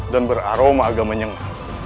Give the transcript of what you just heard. dan beraroma agak menyengah